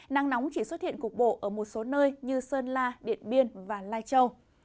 nắng nóng chỉ xuất hiện cục bộ ở một số nơi như sơn la điện biên và lai châu